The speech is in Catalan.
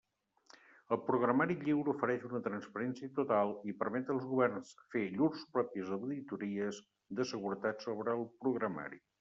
El programari lliure ofereix una transparència total, i permet als governs fer llurs pròpies auditories de seguretat sobre el programari.